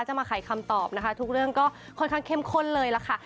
มาไขคำตอบนะคะทุกเรื่องก็ค่อนข้างเข้มข้นเลยล่ะค่ะ